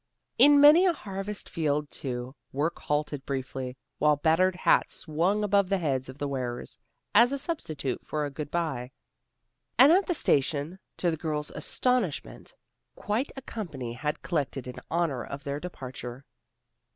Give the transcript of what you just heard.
In many a harvest field, too, work halted briefly, while battered hats swung above the heads of the wearers, as a substitute for a good by. And at the station, to the girls' astonishment, quite a company had collected in honor of their departure.